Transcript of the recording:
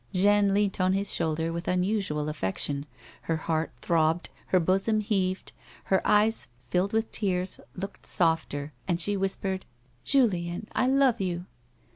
Jeanne leant on his shoulder with unusual affection, her heart throbbed, her bosom heaved, her eyes, filled with tears, looked softer, and she whispered :" Julien, I love you